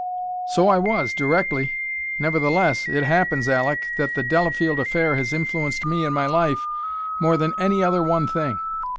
"So I was, directly. Nevertheless, it happens, Aleck, that the Delafield affair has influenced me and my life more than any other one thing.